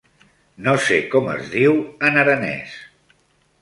No sé com es diu, en aranès.